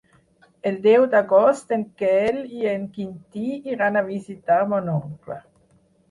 El deu d'agost en Quel i en Quintí iran a visitar mon oncle.